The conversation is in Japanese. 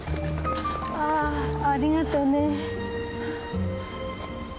ああありがとね。